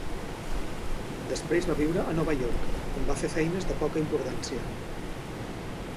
Després va viure a Nova York, on va fer feines de poca importància.